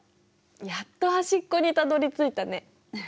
やっと端っこにたどりついたね。